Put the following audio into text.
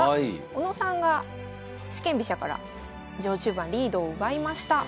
小野さんが四間飛車から序中盤リードを奪いました。